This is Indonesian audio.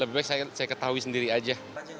lebih baik saya ketahui sendiri aja